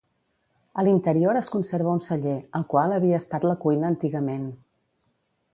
A l'interior es conserva un celler, el qual havia estat la cuina antigament.